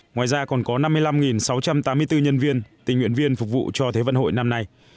ngoài ra còn có năm mươi năm sáu trăm tám mươi bốn nhân viên tình nguyện viên phục vụ cho thế vận hội năm nay